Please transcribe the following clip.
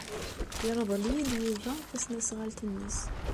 Yerḍel-iyi-d Yuba tasnasɣalt-nnes.